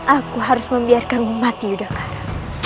aku harus membiarkanmu mati udara